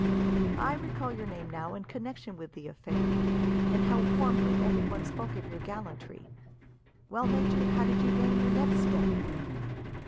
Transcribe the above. I recall your name, now, in connection with the affair, and how warmly everyone spoke of your gallantry. Well, Major, how did you gain your next step?"